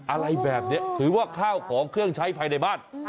อะไรแบบนี้ถือว่าข้าวของเครื่องใช้ภายในบ้าน